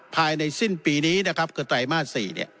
ภายในสิ้นปีนี้นะครับคือไตรมาส๔